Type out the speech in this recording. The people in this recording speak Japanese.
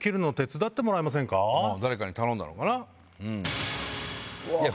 誰かに頼んだのかな。